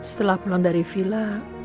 setelah pulang dari villa